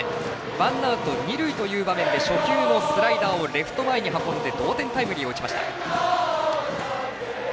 ワンアウト、二塁という場面で初球のスライダーをレフト前に運んで同点タイムリーを打ちました。